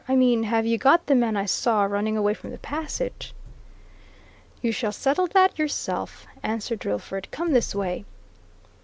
"I mean have you got the man I saw running away from the passage?" "You shall settle that yourself," answered Drillford. "Come this way."